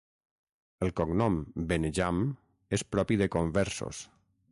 El cognom Benejam és propi de conversos.